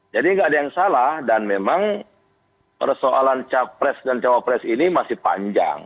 jadi gak ada yang salah dan memang persoalan capres dan cowapres ini masih panjang